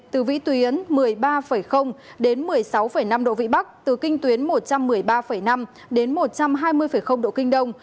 từ vĩ tuyến một mươi ba đến một mươi sáu năm độ vĩ bắc từ kinh tuyến một trăm một mươi ba năm đến một trăm hai mươi độ kinh đông